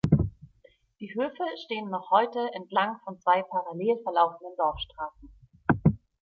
Die Höfe stehen noch heute entlang von zwei parallel verlaufenden Dorfstraßen.